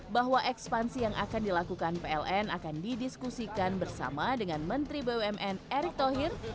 bahwa ekspansi yang akan dilakukan pln akan didiskusikan bersama dengan menteri bumn erick thohir